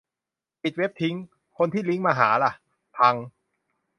ปิดเว็บทิ้ง ที่คนลิงก์มาหาล่ะ ? พัง ?